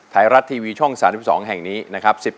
ไทยรัฐทีวีช่อง๓๒แห่งนี้นะครับ